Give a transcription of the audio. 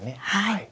はい。